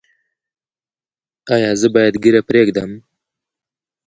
ایا زه باید ږیره پریږدم؟